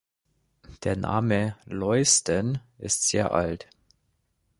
Der Name „Leusden“ ist sehr alt.